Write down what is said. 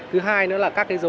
thứ hai nữa là các cái dấu hiệu